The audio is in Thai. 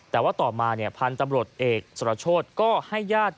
แต่ว่าต่อมาเนี่ยพันธุ์ตำรวจเอกสุรโชธก็ให้ญาติ